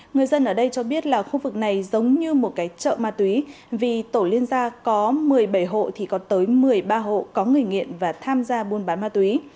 người dân ở đây cho biết là khu vực này giống như một cái chợ ma túy vì tổ liên gia có một mươi bảy hộ thì có tới một mươi ba hộ có người nghiện và tham gia buôn bán ma túy